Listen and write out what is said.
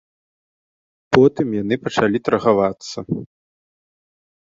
Потым яны пачалі таргавацца.